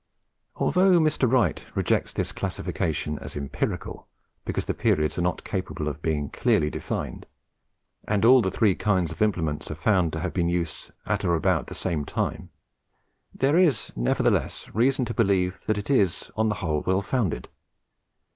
Although Mr. Wright rejects this classification as empirical, because the periods are not capable of being clearly defined, and all the three kinds of implements are found to have been in use at or about the same time, there is, nevertheless, reason to believe that it is, on the whole, well founded.